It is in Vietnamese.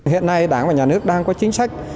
hiện nay đảng và nhà nước đang có chính sách